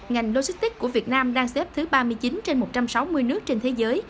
ngành logistics của việt nam đang xếp thứ ba mươi chín trên một trăm sáu mươi nước trên thế giới